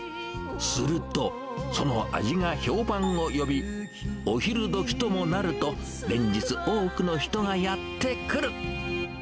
すると、その味が評判を呼び、お昼どきともなると、連日、多くの人がやって来る。